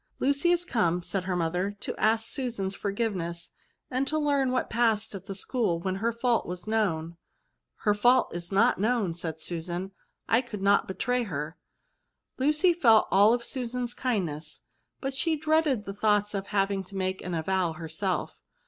" Lucy is come," said her mother, " to ask Susan's forgiveness, and to learn what passed at the school when her fault was known." " Her fault is not known,'' said Susan ;" I could not betray her." Lucy felt all Susan's kind ness, but she dreaded the thoughts of having to make the avowal herself.